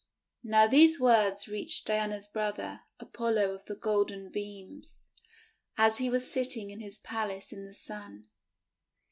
Now these words reached Diana's brother, Apollo of the Golden Beams, as he was sitting in his Palace in the Sun.